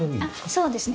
そうですね。